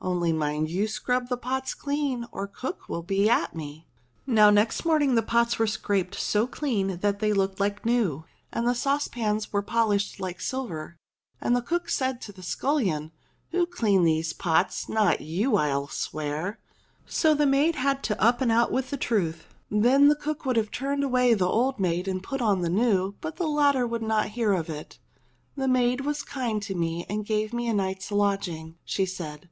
Only mind you scrub the pots clean or cook will be at me." Now next morning the pots were scraped so clean that they looked like new, and the saucepans were polished like CAPORUSHES 301 silver, and the cook said to the scuUion, "Who cleaned these pots — not you, I'll swear." So the maid had to up and out with the truth. Then the cook would have turned away the old maid and put on the new, but the latter would not hear of it. "The maid was kind to me and gave me a night's lodging," she said.